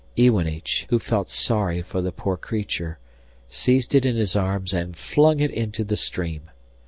Iwanich, who felt sorry for the poor creature, seized it in his arms and flung it into the stream.